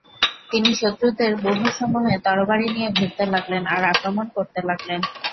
তিনি শত্রুদের ব্যুহসমূহে তরবারী নিয়ে ঘুরতে লাগলেন আর আক্রমণ করতে লাগলেন।